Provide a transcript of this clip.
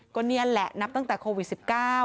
ก็นี่แหละนับตั้งแต่โควิด๑๙